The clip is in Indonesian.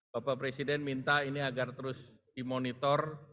bapak presiden minta ini agar terus dimonitor